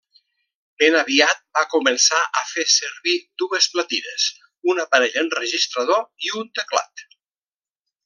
Ben aviat va començar a fer servir dues platines, un aparell enregistrador i un teclat.